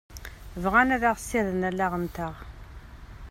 Bɣan ad ɣ-sirden allaɣ-nteɣ.